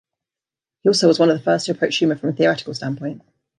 He also was one of the first who approached humour from a theoretical standpoint.